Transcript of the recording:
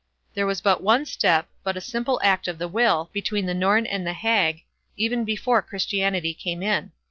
There was but one step, but a simple act of the will, between the Norn and the hag, even before Christianity came in.